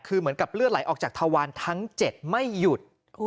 คือเหมือนกับเลือดไหลออกจากทวารทั้ง๗ไม่หยุด